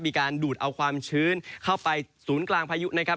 ดูดเอาความชื้นเข้าไปศูนย์กลางพายุนะครับ